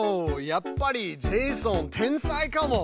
やっぱりジェイソン天才かも。